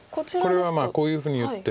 これはこういうふうに打って。